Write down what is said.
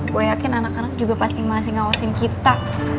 gue yakin anak anak juga pasti masih ngawasin kita